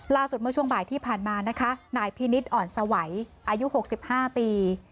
ลาสุดเมื่อช่วงบ่ายที่ผ่านมานะคะนายนิทร์อ่อนสวัยอายุหกสิบห้าปี